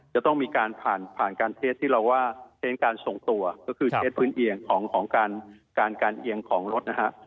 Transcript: จะต้องมีการผ่านผ่านการเทสที่เราว่าเท้นการส่งตัวก็คือเทสพื้นเอียงของการการเอียงของรถนะฮะ